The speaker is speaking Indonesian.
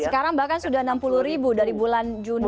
sekarang bahkan sudah enam puluh ribu dari bulan juni